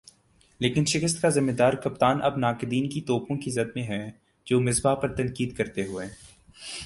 لیکن شکست کا "ذمہ دار" کپتان اب ناقدین کی توپوں کی زد میں ہے جو مصباح پر تنقید کرتے ہوئے